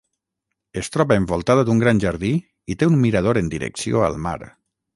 Es troba envoltada d'un gran jardí i té un mirador en direcció al mar.